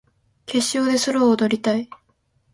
決勝でソロを踊りたい